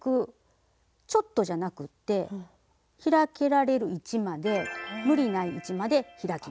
ちょっとじゃなくって開けられる位置まで無理ない位置まで開きます。